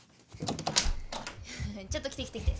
ちょっと来て来て来て。